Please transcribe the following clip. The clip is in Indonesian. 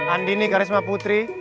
andini karisma putri